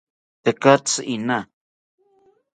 Tekatzi iina